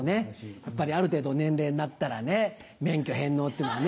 やっぱりある程度の年齢になったら免許返納ってのはね。